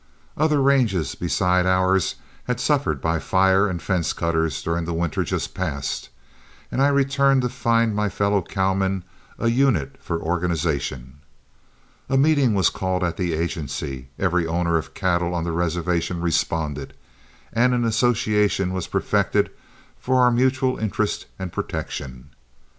Other ranges besides ours had suffered by fire and fence cutters during the winter just passed, and I returned to find my fellow cowmen a unit for organization. A meeting was called at the agency, every owner of cattle on the reservation responded, and an association was perfected for our mutual interest and protection.